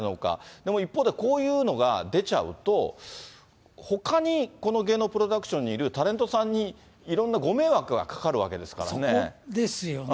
でも一方で、こういうのが出ちゃうと、ほかにこの芸能プロダクションにいるタレントさんにいろんなご迷そこですよね。